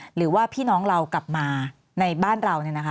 หรือว่าพี่น้องเรากลับมาในบ้านเรา